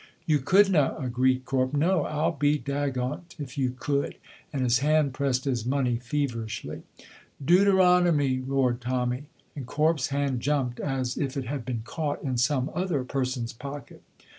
"You couldna," agreed Corp, "no, I'll be dagont, if you could," and his hand pressed his money feverishly. "Deuteronomy!" roared Tommy, and Corp's hand jumped as if it had been caught in some other person's, pocket.